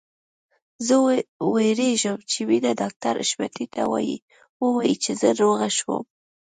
زه وېرېږم چې مينه ډاکټر حشمتي ته ووايي چې زه روغه شوم